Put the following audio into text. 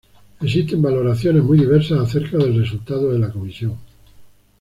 Existen valoraciones muy diversas acerca del resultado de la Comisión.